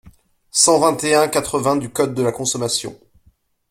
cent vingt et un-quatre-vingts du code de la consommation.